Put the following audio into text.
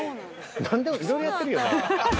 ◆いろいろやってるよね。